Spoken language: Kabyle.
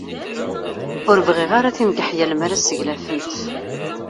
Ur bɣiɣ ara timgeḥyal mi ara seglafent.